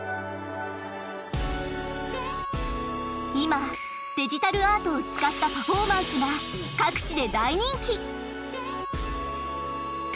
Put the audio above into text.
今デジタルアートを使ったパフォーマンスが各地で大人気。